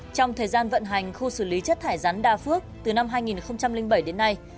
trong thời gian vận hành khu xử lý chất thải rắn đa phước từ năm hai nghìn bảy đến nay